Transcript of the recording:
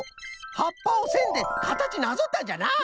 はっぱをせんでかたちなぞったんじゃな！